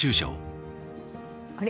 あれ？